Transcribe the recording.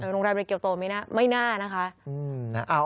โรงแรมในเกี่ยวโตไม่น่านะคะ